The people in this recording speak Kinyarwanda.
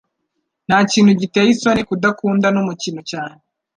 Ntakintu giteye isoni kudakunda numukino cyane